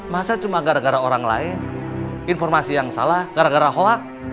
masa cuma gara gara orang lain informasi yang salah gara gara hoak